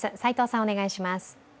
お願いします。